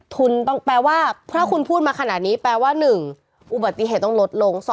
ถ้าคุณพูดมาขนาดนี้แปลว่า๑อุบัติเหตุต้องลดลง